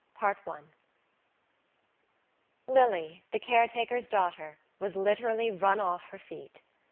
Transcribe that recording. THE DEAD Lily, the caretaker's daughter, was literally run off her feet.